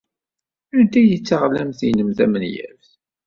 Anta ay d taɣlamt-nnem tamenyaft?